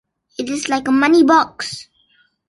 It is like a moneybox!